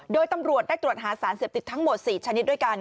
โดยตำรวจได้ตรวจหาสารเสพติดทั้งหมด๔ชนิดด้วยกัน